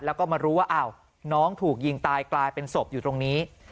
แล้วก็มารู้ว่าอ้าวน้องถูกยิงตายกลายเป็นศพอยู่ตรงนี้